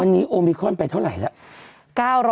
วันนี้โอมิคอนไปเท่าไหร่แล้ว